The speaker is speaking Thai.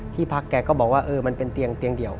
ที่พักแกก็บอกว่าเออมันเป็นเตียงเดียว